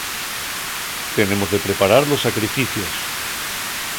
Tenemos de preparar los sacrificios.